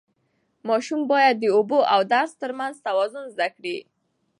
ماشوم باید د لوبو او درس ترمنځ توازن زده کړي.